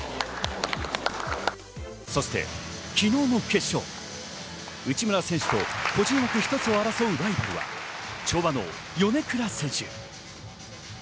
そして昨日の決勝、内村選手と個人枠１つを争うライバルは跳馬の米倉選手。